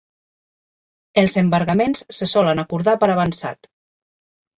Els embargaments se solen acordar per avançat.